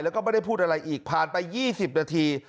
แล้วก็ไม่ได้พูดอะไรอีกผ่านไป๒๐นาที